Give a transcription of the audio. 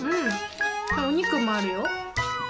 おにくもあるよ。